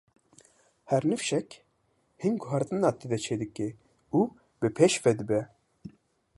Her nifşek, hin guhertinan tê de çêdike û bi pêş ve dibe.